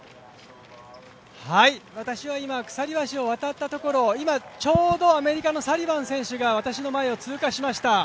私は今、鎖橋を渡ったところちょうどアメリカのサリバン選手が私の前を通過しました。